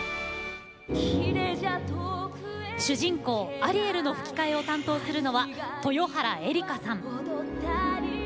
主人公、アリエルの吹き替えを担当するのは、豊原江理佳さん。